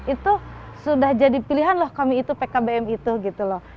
itu sudah jadi pilihan loh kami itu pkbm itu gitu loh